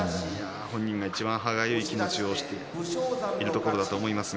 本人が、いちばん歯がゆい気持ちでいるところだと思います。